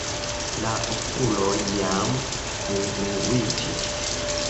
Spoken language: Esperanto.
La okuloj jam kungluiĝis.